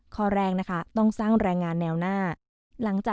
ข้อแรกนะคะต้องสร้างแรงงานแนวหน้า